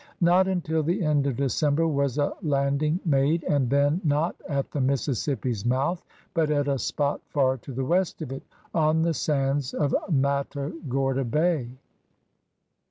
Not until the end of December was a landing made, and then not at the Mississippi's mouth but at a spot far to the west of it, on the sands of Mata gorda Bay.